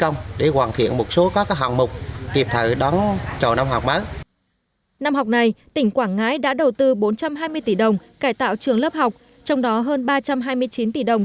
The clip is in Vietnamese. năm học này tỉnh quảng ngãi đã đầu tư bốn trăm hai mươi tỷ đồng cải tạo trường lớp học trong đó hơn ba trăm hai mươi chín tỷ đồng